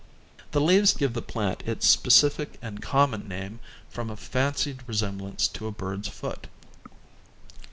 The leaves give the plant its specific and common name from a fancied resemblance to a bird's foot.